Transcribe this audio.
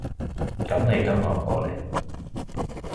噉你跟我過嚟